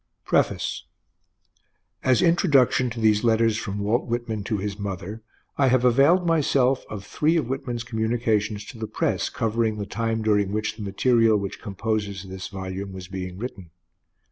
_ PREFACE As introduction to these letters from Walt Whitman to his mother, I have availed myself of three of Whitman's communications to the press covering the time during which the material which composes this volume was being written.